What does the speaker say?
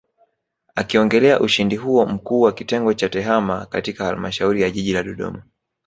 Akiongelea ushindi huo Mkuu wa Kitengo cha Tehama katika Halmashauri ya Jiji la Dodoma